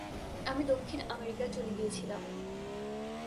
আমি দক্ষিণ আমেরিকায় চলে গিয়েছিলাম!